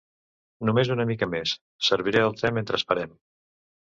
Només una mica més; serviré el te mentre esperem.